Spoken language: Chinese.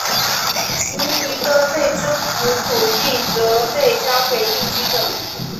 其余的被征服土地则被交给定居者。